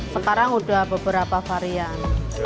sekarang sudah beberapa varian